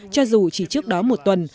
cho dù chỉ trước đó một tuần